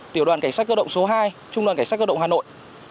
tiểu đoàn cảnh sát cơ động số hai trung đoàn cảnh sát cơ động hà nội